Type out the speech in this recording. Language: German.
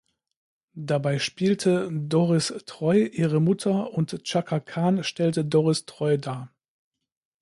Dabei spielte Doris Troy ihre Mutter und Chaka Khan stellte Doris Troy dar.